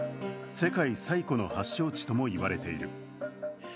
世界最古の発祥地ともいわれている。